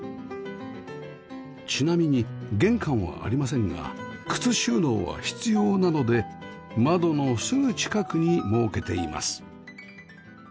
ちなみに玄関はありませんが靴収納は必要なので窓のすぐ近くに設けています